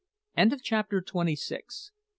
CHAPTER TWENTY SEVEN.